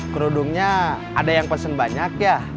kerudungnya ada yang pesen banyak ya